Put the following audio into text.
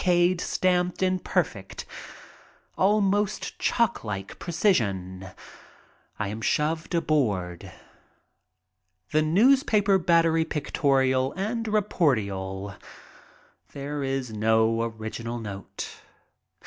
K.'d, stamped, in perfect, almost clocklike precision, I am shoved aboard. The newspaper battery pictorial and reportorial. There is no original note.